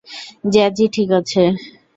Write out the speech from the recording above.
জ্যাজই ঠিক আছে।